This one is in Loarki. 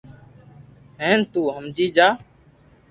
ھين تو ھمجي جا